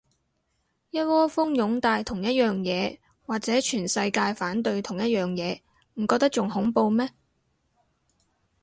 一窩蜂擁戴同一樣嘢，或者全世界反對同一樣嘢，唔覺得仲恐怖咩